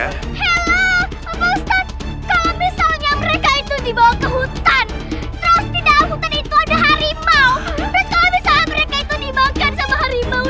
mereka itu dibangun sama harimau nya